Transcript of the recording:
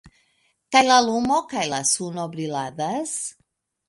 Kaj la lumo kaj la suno briladas?